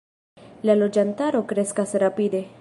La loĝantaro kreskas rapide.